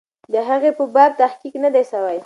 د هغې په باب تحقیق نه دی سوی.